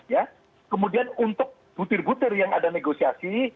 ya kemudian untuk butir butir yang ada negosiasi